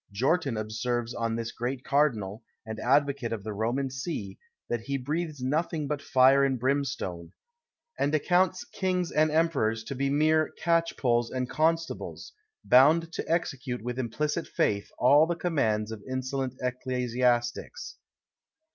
Jortin observes on this great cardinal, and advocate of the Roman see, that he breathes nothing but fire and brimstone; and accounts kings and emperors to be mere catchpolls and constables, bound to execute with implicit faith all the commands of insolent ecclesiastics.